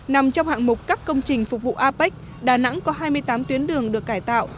nằm trong hạng mục các công trình phục vụ apec đà nẵng có hai mươi tám tuyến đường được cải tạo